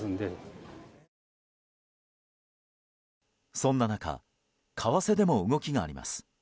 そんな中為替でも動きがあります。